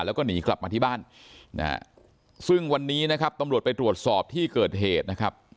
แล้วก็หนีกลับมาที่บ้านซึ่งวันนี้นะครับตำรวจไปตรวจสอบที่เกิดเหตุนะครับ